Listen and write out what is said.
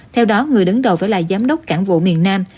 theo đó người đứng đầu phải là giám đốc cảng vụ miền nam